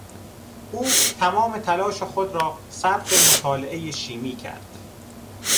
او تمام تلاش خود را صرف مطالعه شیمی کرد.